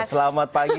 iya selamat pagi